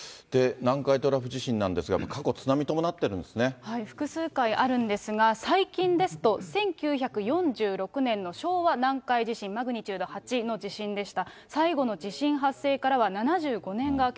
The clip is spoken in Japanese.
南海トラフ地震なんですが、過去、複数回あるんですが、最近ですと、１９４６年の昭和南海地震、マグニチュード８の地震でした。